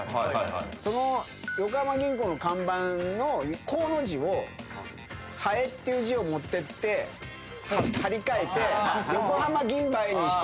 その横浜銀行の看板の「行」の字を「蝿」っていう字を持ってって張り替えて横浜銀蝿にして。